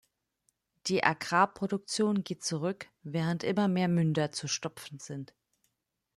Die Agrarproduktion geht zurück, während immer mehr Münder zu stopfen sind.